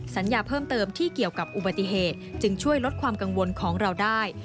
สัญญาเพิ่มเติมที่เกี่ยวกับอุบัติเหตุจึงช่วยลดความกังวลของเราได้